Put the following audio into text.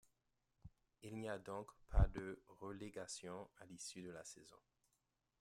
Il n'y a donc pas de relégation à l'issue de la saison.